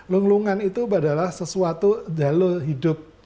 lunglungan itu adalah sesuatu jalur hidup